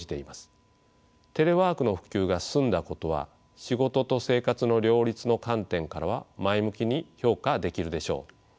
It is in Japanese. テレワークの普及が進んだことは仕事と生活の両立の観点からは前向きに評価できるでしょう。